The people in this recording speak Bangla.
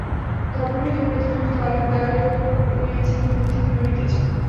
দর্পণ হইতে প্রতিবিম্বিত আলোক দেওয়ালের উপর পড়িয়াছে ও নড়িতেছে।